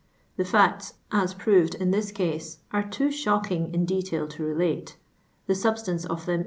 The fiicts, as proved in this case, are t'H) >huckiii:; in detail to relate : the substance of tij<Mn I.